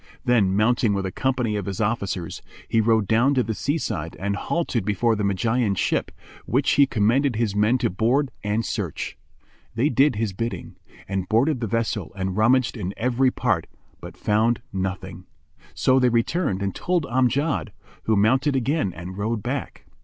Then, mounting with a company of his officers, he rode down to the sea side and halted before the Magian's ship, which he commended his men to board and search. They did his bidding, and boarded the vessel and rummaged in every part, but found nothing; so they returned and told Amjad, who mounted again and rode back.